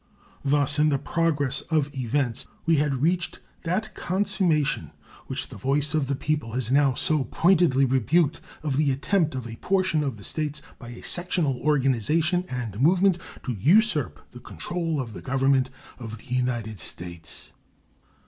Thus in the progress of events we had reached that consummation, which the voice of the people has now so pointedly rebuked, of the attempt of a portion of the States, by a sectional organization and movement, to usurp the control of the Government of the United States.